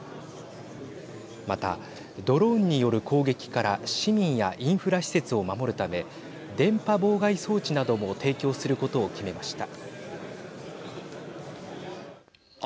また、ドローンによる攻撃から市民やインフラ施設を守るため電波妨害装置なども提供することを決めました。